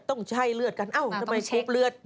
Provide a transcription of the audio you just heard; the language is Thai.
ใช่เลือดกันเอ้าทำไมชกเลือด